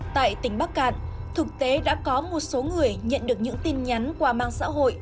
tại tỉnh bắc cạn thực tế đã có một số người nhận được những tin nhắn qua mạng xã hội